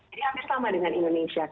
alhamdulillah sekarang karena masih masuk